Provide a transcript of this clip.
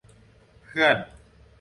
เพื่อน